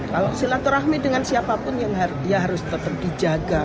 kalau silaturahmi dengan siapapun yang dia harus tetap dijaga